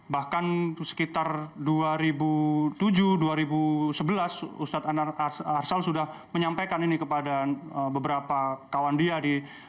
bahkan sekitar dua ribu tujuh dua ribu sebelas ustadz anarsal sudah menyampaikan ini kepada beberapa kawan dia di